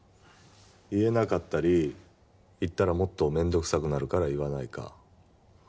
言えなかったり言ったらもっと面倒くさくなるから言わないか。